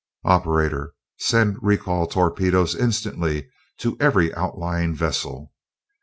"Operator! Send recall torpedoes instantly to every outlying vessel!"